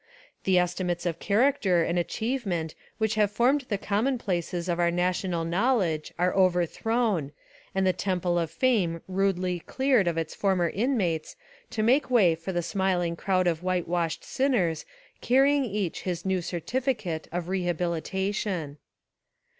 The estimates of character and achievement which have formed the commonplaces of our national knowledge are overthrown, and the temple of fame rudely cleared of its former inmates to make way for the smiling crowd of white 270 A Rehabilitation of Charles II washed sinners carrying each his new certificate of rehabilitation.